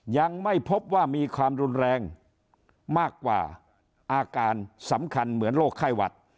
ยังไม่พบว่ามีความรุนแรงมากกว่าอาการสำคัญเหมือนโรคไข้หวัด